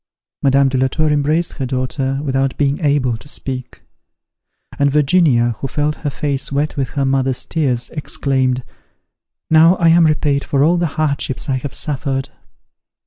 Madame de la Tour embraced her daughter, without being able to speak; and Virginia, who felt her face wet with her mother's tears, exclaimed, "Now I am repaid for all the hardships I have suffered."